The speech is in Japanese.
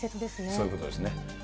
そういうことですね。